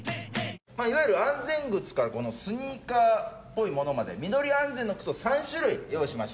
いわゆる安全靴からスニーカーっぽいものまでミドリ安全の靴を３種類用意しました。